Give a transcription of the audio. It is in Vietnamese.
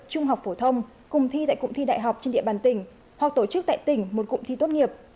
trung học phổ thông cùng thi tại cụm thi đại học trên địa bàn tỉnh hoặc tổ chức tại tỉnh một cụm thi tốt nghiệp